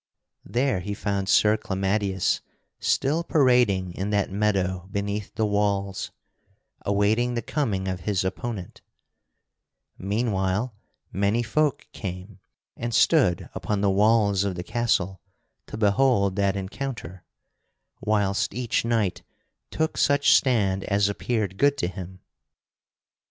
There he found Sir Clamadius still parading in that meadow beneath the walls, awaiting the coming of his opponent. [Sidenote: Sir Percival and Sir Clamadius do battle] Meanwhile many folk came and stood upon the walls of the castle to behold that encounter, whilst each knight took such stand as appeared good to him.